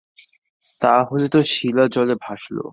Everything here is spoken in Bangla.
তা হলে তো শিলা জলে ভাসল!